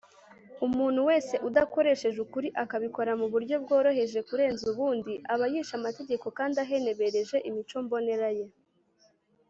umuntu wese udakoresheje ukuri akabikora mu buryo bworoheje kurenza ubundi aba yishe amategeko kandi ahenebereje imico mbonera ye